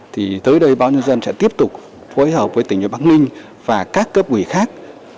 thì tới đây bao nhiêu dân sẽ tiếp tục phối hợp với tỉnh bắc ninh và các cấp quỷ khác